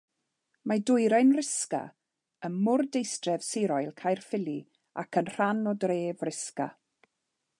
Mae Dwyrain Rhisga ym mwrdeistref sirol Caerffili ac yn rhan o dref Rhisga.